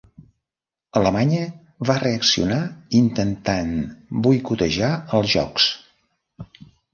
Alemanya va reaccionar intentant boicotejar els jocs.